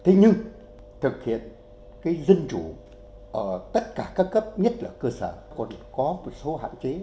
thế nhưng thực hiện cái dân chủ ở tất cả các cấp nhất là cơ sở còn có một số hạn chế